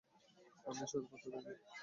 আমি এসবের পাত্তা দেইনা।